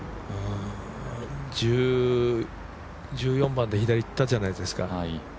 １４番で左に行ったじゃないですか。